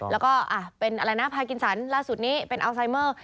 แล้วก็เป็นอะไรนะพากินสันล่าสุดนี้เป็นอัลไซเมอร์